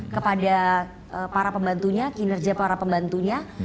kepada para pembantunya kinerja para pembantunya